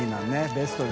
ベスト。